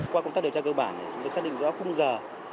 qua công tác điều tra cơ bản chúng tôi xác định rõ khung giờ